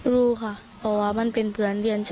รู้ค่ะมันเป็นเพื่อนเดียว